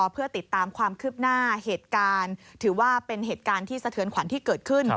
เพื่อติดตามความคืบหน้าเหตุการณ์ถือว่าเป็นเหตุการณ์ที่สะเทือนขวัญที่เกิดขึ้น